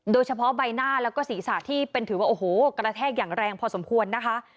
โดยเฉพาะใบหน้าแล้วก็ศีรษะที่เป็นถือว่าโอ้โหกระแทกอย่างแรงพอสมควรนะคะ